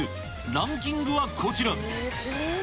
ランキングはこちら。